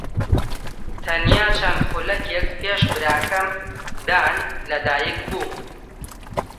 تەنیا چەند خولەکێک پێش براکەم دان لەدایکبووم.